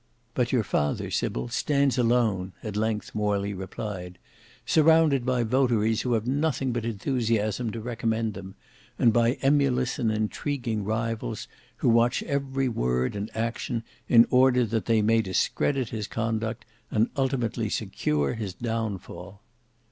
"But your father, Sybil, stands alone," at length Morley replied; "surrounded by votaries who have nothing but enthusiasm to recommend them; and by emulous and intriguing rivals, who watch every word and action, in order that they may discredit his conduct, and ultimately secure his downfall."